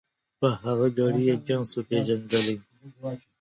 په هغه ګړي یې جنس وو پیژندلی